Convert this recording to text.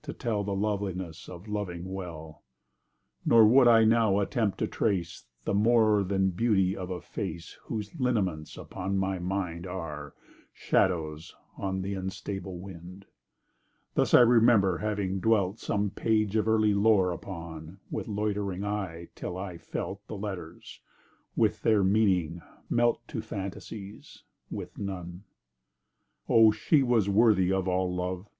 —to tell The loveliness of loving well! Nor would I now attempt to trace The more than beauty of a face Whose lineaments, upon my mind, Are—shadows on th' unstable wind: Thus I remember having dwelt Some page of early lore upon, With loitering eye, till I have felt The letters—with their meaning—melt To fantasies—with none. O, she was worthy of all love!